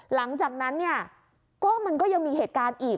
หลังจากนั้นเนี่ยก็มันก็ยังมีเหตุการณ์อีก